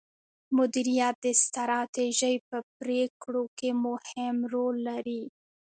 مديريت د ستراتیژۍ په پریکړو کې مهم رول لري.